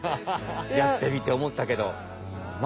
やってみておもったけど。